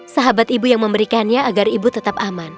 sahabat ibu yang memberikannya agar ibu tetap aman